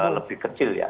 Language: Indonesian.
lebih kecil ya